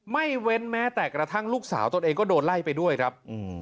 ไม่เว้นแม้แต่กระทั่งลูกสาวตนเองก็โดนไล่ไปด้วยครับ